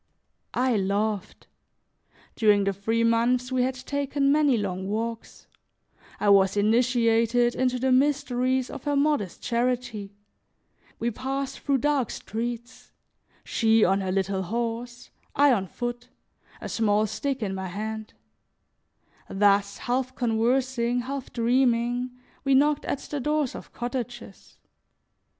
I loved. During the three months we had taken many long walks; I was initiated into the mysteries of her modest charity; we passed through dark streets, she on her little horse, I on foot, a small stick in my hand; thus, half conversing, half dreaming, we knocked at the doors of cottages.